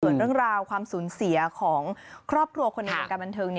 ส่วนเรื่องราวความสูญเสียของครอบครัวคนในวงการบันเทิง